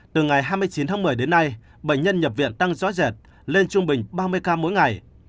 từ ngày hai mươi chín tháng một mươi đến nay bệnh nhân nhập viện tăng rõ rệt lên trung bình ba mươi ca mỗi ngày